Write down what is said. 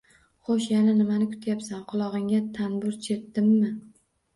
Xoʻsh, yana nimani kutyapsan? Qulogʻingga tanbur chertdimmi?!